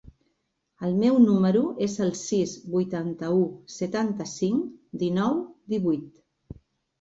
El meu número es el sis, vuitanta-u, setanta-cinc, dinou, divuit.